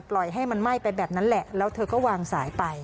ให้มันไหม้ไปแบบนั้นแหละแล้วเธอก็วางสายไป